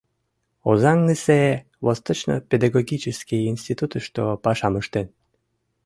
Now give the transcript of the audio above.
Озаҥысе Восточно-педагогический институтышто пашам ыштен.